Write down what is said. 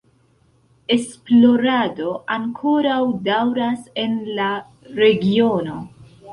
Esplorado ankoraŭ daŭras en la regiono.